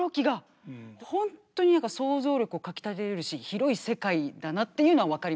本当に何か想像力をかきたてられるし広い世界だなっていうのは分かりました。